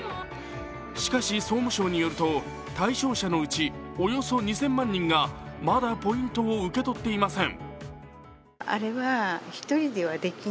しかし総務省によると、対象者のうちおよそ２０００万人がまだポイントを受け取っていません。